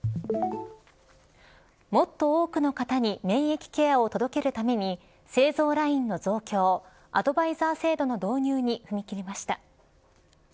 もっと多くの方に免疫ケアを届けるために製造ラインの増強アドバイザー制度の導入に踏み切りました。